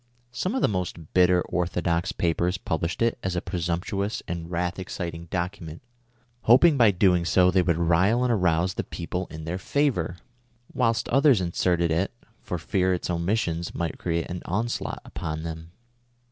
Some of the most bitter orthodox papers published it as a presumptuous and wrath exciting document, lioping by so doing they would rile and arouse the people in tlieir favor ; M'hilst others inserted it, for fear its omission might create an onslaught upon them.